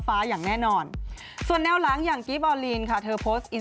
ที่ห้อยแก้วน้ำเอาไว้ที่เข็มขัดเนี่ย